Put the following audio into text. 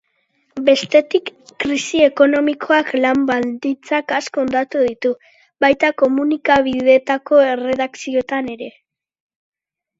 Bestetik krisi ekonomikoak lan baldintzak asko hondatu ditu, baita komunikabideetako erredakzioetan ere.